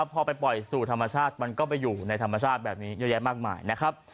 พอไปปล่อยสู่ธรรมชาติมันก็ไปอยู่ในธรรมชาติแบบนี้เยอะแยะมากมายนะครับ